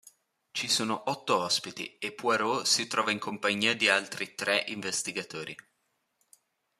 Ci sono otto ospiti e Poirot si trova in compagnia di altri tre investigatori.